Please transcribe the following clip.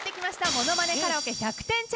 「ものまねカラオケ１００点チャレンジ